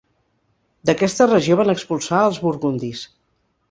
D'aquesta regió van expulsar als burgundis.